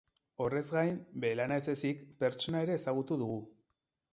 Horrez gain, bere lana ez ezik, pertsona ere ezagutu dugu.